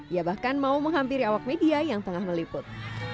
ia bahkan mau menghampiri awak media yang tengah meliput